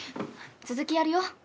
続きやるよ。